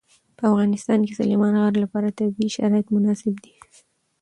په افغانستان کې د سلیمان غر لپاره طبیعي شرایط مناسب دي.